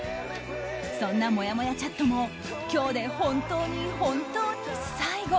そんなもやもやチャットも今日で本当に本当に最後。